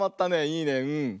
いいねうん。